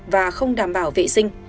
và không đảm bảo vệ sinh